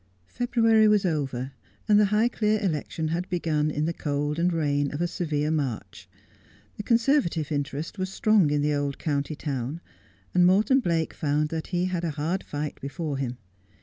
February was over, and the Highclere election had begun in the cold and rain of a severe March. The Conservative interest was strong in the old county town, and Morton Blake found that he had a hard light before him.